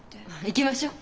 行きましょう。